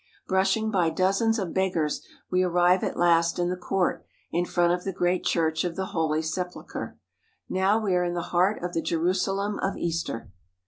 Brushing by dozens of beggars we arrive at last in the court in front of the great Church of the Holy Sepulchre. Now we are in the heart of the Jerusalem of Easter.